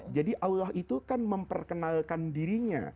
jadi allah itu kan memperkenalkan dirinya